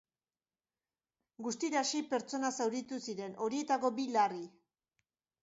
Guztira sei pertsona zauritu ziren, horietako bi larri.